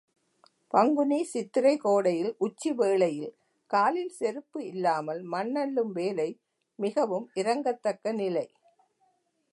பங்குனி சித்திரை கோடையில் உச்சி வேளையில் காலில் செருப்பு இல்லாமல் மண் அள்ளும் வேலை மிகவும் இரங்கத்தக்க நிலை.